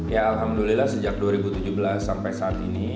ya alhamdulillah sejak dua ribu tujuh belas sampai saat ini